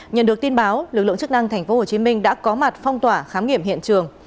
nhận được tin báo lực lượng chức năng tp hcm đã có mặt phong tỏa khám nghiệm hiện trường